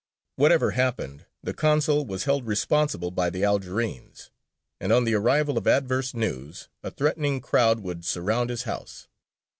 Whatever happened, the consul was held responsible by the Algerines, and on the arrival of adverse news a threatening crowd would surround his house.